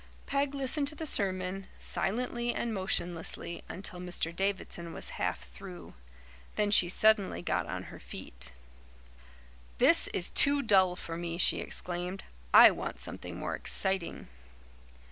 Peg listened to the sermon, silently and motionlessly, until Mr. Davidson was half through. Then she suddenly got on her feet. "This is too dull for me," she exclaimed. "I want something more exciting."